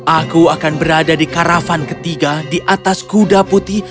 aku akan berada di karavan ketiga di atas kuda putih